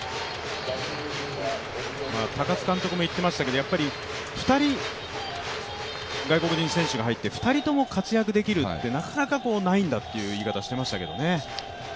高津監督も言っていましたけど、２人外国人選手が入って２人とも活躍できることはなかなかないんだと言ってましたけどね。